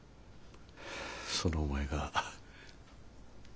そのお前が。